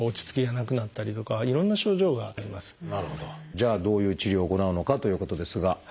じゃあどういう治療を行うのかということですが。